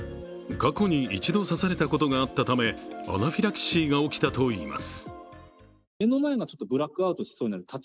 過去に一度刺されたことがあったためアナフィラキシーが起きたといいます。